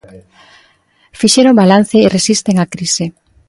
Fixeron balance e resisten a crise.